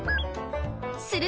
する